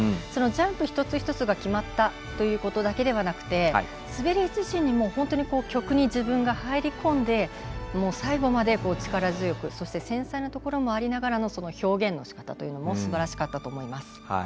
ジャンプ一つ一つが決まったということだけではなく滑り自身にも曲に自分が入り込んで最後まで力強く、そして繊細なところがありながらの表現のしかたというものもすばらしかったと思います。